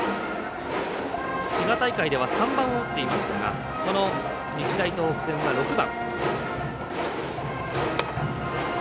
滋賀大会では３番を打っていましたがこの日大東北戦は６番。